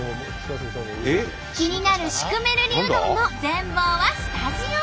気になるシュクメルリうどんの全貌はスタジオで！